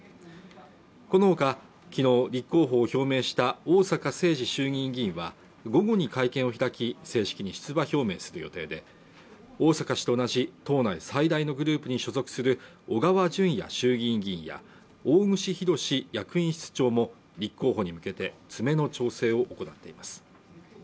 このほか、昨日立候補を表明した逢坂誠二衆議院議員は、午後に会見を開き、正式に出馬表明する予定で、逢坂氏と同じ党内最大のグループに所属する小川淳也衆議院議員や大串博志役員室長も立候補に向けて詰めの調整を行っています。